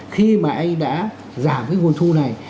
khi mà anh đã giảm cái nguồn thu này